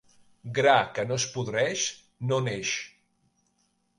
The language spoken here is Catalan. Gra que no es podreix, no neix.